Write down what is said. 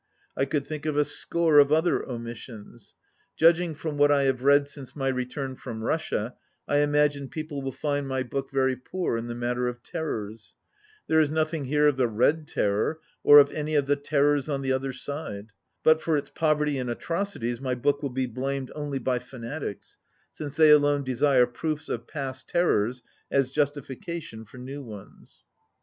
I could think of a score of other omissions. Judging from what I have read since my return from Russia, I imagine people will find my book very poor in the matter of Terrors. There is nothing here of the Red Terror, or of any of the Terrors on the other side. But for its poverty in atrocities my book will be blamed only by fanatics, since they alone desire proofs of past Terrors as justification for new ones.